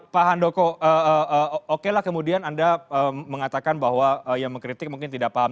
pak handoko okelah kemudian anda mengatakan bahwa yang mengkritik mungkin tidak paham